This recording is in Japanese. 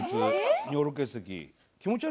尿路結石。